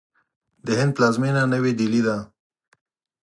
د هند پلازمینه نوی ډهلي ده.